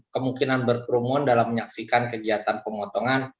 kemungkinan berkerumun dalam menyaksikan kegiatan pemotongan